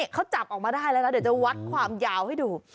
เขาจับออกมาได้แล้วนะเดี๋ยวจะวัดความยาวให้ดู